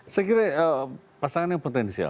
saya kira pasangannya potensial